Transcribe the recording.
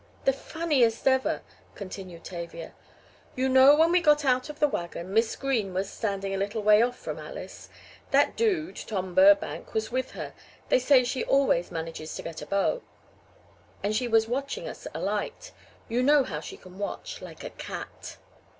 "The funniest ever," continued Tavia. "You know when we got out of the wagon Miss Green was standing a little way off from Alice. That dude, Tom Burbank, was with her (they say she always manages to get a beau), and she was watching us alight you know how she can watch: like a cat.